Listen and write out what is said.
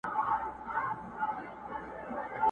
هیري کړي مي وعدې وې په پیالو کي د سرو میو؛